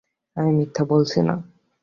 আমি মিথ্যা বলছি না।